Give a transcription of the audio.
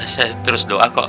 saya doa kok